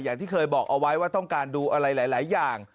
อย่างที่เคยบอกเอาไว้ว่าต้องการดูอะไรหลายอย่าง